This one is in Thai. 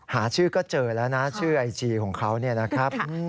หาชื่อก็เจอแล้วนะชื่อไอจีของเขาเนี่ยนะครับ